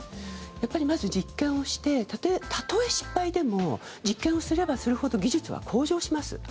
やっぱりまず実験をしてたとえ失敗でも実験をすればするほど技術は向上します。